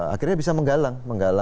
akhirnya bisa menggalang